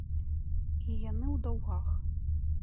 І яны ў даўгах.